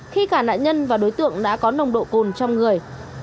khi cả nạn nhân và đối tượng đã có nồng độ cồn trong người